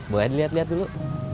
boleh dilihat lihat dulu